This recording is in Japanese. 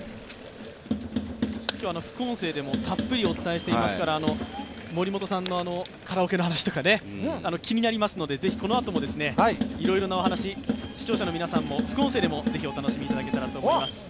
今日は、副音声でもたっぷりお伝えしていますから、森本さんのカラオケの話とか気になりますのでぜひこのあともいろいろなお話、視聴者の皆さんも副音声でもぜひ楽しんでいただけたらと思います。